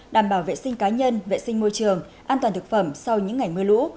đảm bảo vệ sinh cá nhân vệ sinh môi trường an toàn thực phẩm sau những ngày mưa lũ